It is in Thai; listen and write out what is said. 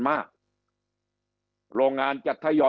คำอภิปรายของสอสอพักเก้าไกลคนหนึ่ง